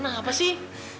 itu kenapa sih